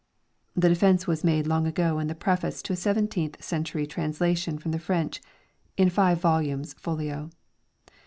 the defence was made long ago in the preface to a seventeenth century translation from the French, in five volumes folio.